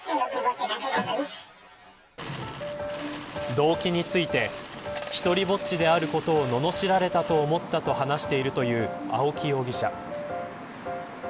動機について独りぼっちであることをののしられたと思ったと話しているという青木容疑者。